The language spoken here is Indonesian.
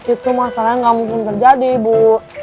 itu masalahnya nggak mungkin terjadi ibu